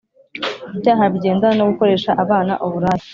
ibyaha bigendana no gukoresha abana uburaya